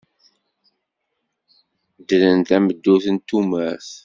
Dderen tameddurt n tumert.